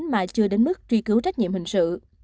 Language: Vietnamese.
mà chưa đến mức truy cứu trách nhiệm hình sự